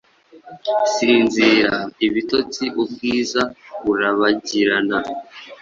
Sinzira, ibitotsi, ubwiza burabagirana,